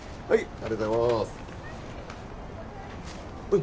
はい。